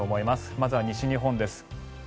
まずは西日本です。